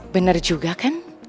bener juga kan